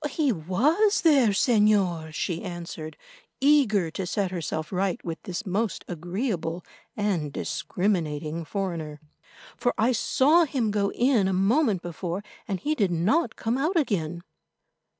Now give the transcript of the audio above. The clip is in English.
"He was there, Señor," she answered, eager to set herself right with this most agreeable and discriminating foreigner, "for I saw him go in a moment before, and he did not come out again."